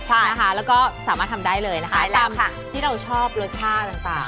ใช่นะคะแล้วก็สามารถทำได้เลยนะคะตามที่เราชอบรสชาติต่าง